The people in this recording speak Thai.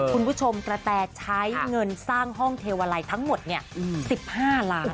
คุณผู้ชมกระแตใช้เงินสร้างห้องเทวาลัยทั้งหมด๑๕ล้าน